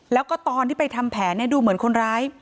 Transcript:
แล้วก็ตอนที่ไปทำแผนดูเหมือนคนร้าย